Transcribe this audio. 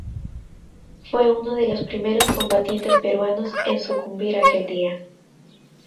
Fue uno de los primeros combatientes peruanos en sucumbir aquel día.